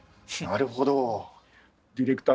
なるほど。